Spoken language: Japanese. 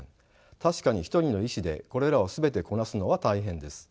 確かに一人の医師でこれらを全てこなすのは大変です。